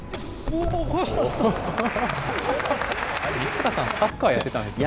西阪さん、サッカーやってたんですよね。